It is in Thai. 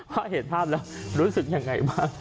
ว่าเห็นภาพแล้วรู้สึกอย่างไรบ้าง